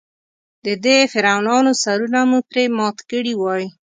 د دې فرعونانو سرونه مو پرې مات کړي وای.